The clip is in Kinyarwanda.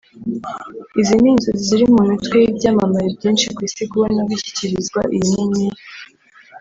Izi ni inzozi ziri mu mitwe y’ibyamamare byinshi ku isi kubona bishyikirizwa iyi nyenyeri